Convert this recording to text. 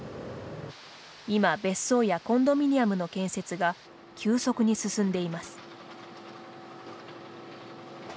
今、別荘やコンドミニアムの建設が急速に進んでいます。